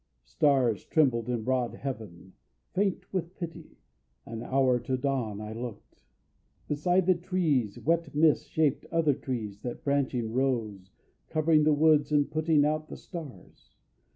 Stars trembled in broad heaven, faint with pity. An hour to dawn I looked. Beside the trees Wet mist shaped other trees that branching rose, Covering the woods and putting out the stars.